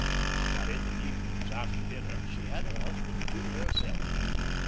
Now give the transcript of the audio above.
But in the evenings, after dinner, she had her husband to herself.